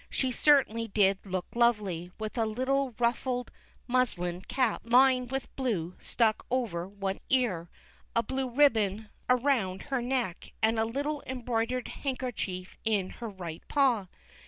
She certainly did look lovely, with a little ruffled inuslin cap lined with blue stuck over one ear, a blue ribbon around her neck, and a little embroidered handker chief in her right paw.